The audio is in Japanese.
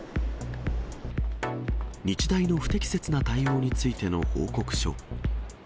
日大の不適切な対応についての報告書。